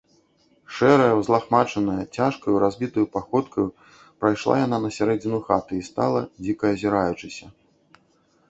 Шэрая, узлахмачаная, цяжкаю, разбітаю паходкаю прайшла яна на сярэдзіну хаты і стала, дзіка азіраючыся.